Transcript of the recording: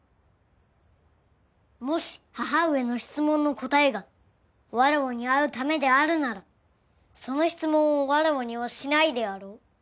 もし母上の質問の答えが「わらわに会うため」であるならその質問をわらわにはしないであろう？